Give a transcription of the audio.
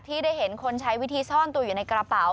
ได้เห็นคนใช้วิธีซ่อนตัวอยู่ในกระเป๋า